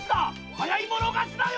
早い者勝ちだよ！